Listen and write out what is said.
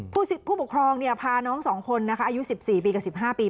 ผู้ปกครองพาน้อง๒คนนะคะอายุ๑๔ปีกับ๑๕ปี